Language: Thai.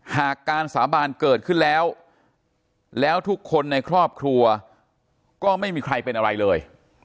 หากการสาบานเกิดขึ้นแล้วแล้วทุกคนในครอบครัวก็ไม่มีใครเป็นอะไรเลย